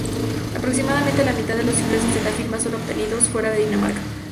Aproximadamente la mitad de los ingresos de la firma son obtenidos fuera de Dinamarca.